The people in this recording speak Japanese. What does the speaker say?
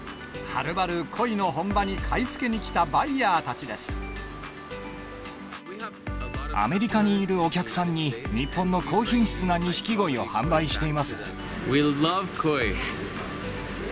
はるばるコイの本場に買い付けにアメリカにいるお客さんに、日本の高品質なニシキゴイを販売しています。